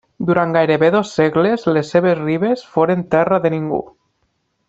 Durant gairebé dos segles les seves ribes foren terra de ningú.